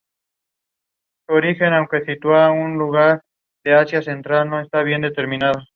Escribió poemas en sus ratos libres.